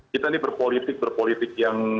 kita ini berpolitik berpolitik yang